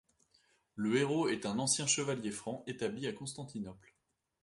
Le héros est un ancien chevalier Franc établi à Constantinople.